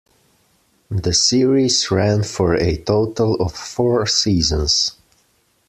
The series ran for a total of four seasons.